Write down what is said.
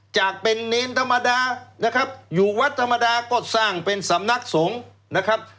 จากเป็นเนรธรรมดานะครับอยู่วัดธรรมดาก็สร้างเป็นสำนักสงฆ์นะครับ